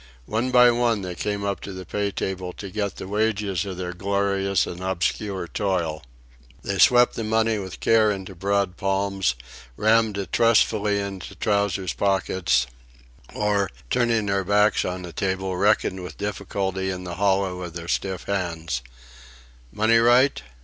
One by one they came up to the pay table to get the wages of their glorious and obscure toil. They swept the money with care into broad palms, rammed it trustfully into trousers' pockets, or, turning their backs on the table, reckoned with difficulty in the hollow of their stiff hands. "Money right?